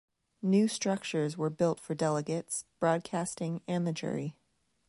New structures were built for delegates, broadcasting and the jury.